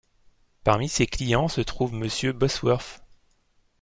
Parmi ses clients se trouve Monsieur Bosworth.